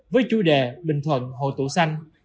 với chủ đề bình thuận hội tụ xanh